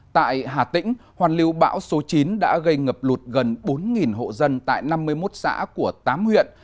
tại hà tĩnh hoàn lưu bão số chín đã gây ngập lụt gần bốn hộ dân tại năm mươi một xã của tám huyện